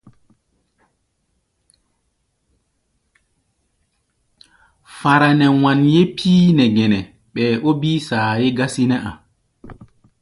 Fara nɛ wanyé píí nɛ gɛnɛ, ɓɛɛ ó bíí saayé gásí nɛ́ a̧.